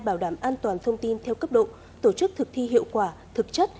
bảo đảm an toàn thông tin theo cấp độ tổ chức thực thi hiệu quả thực chất